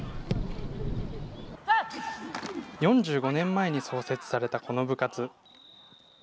４５年前に創設されたこの部活。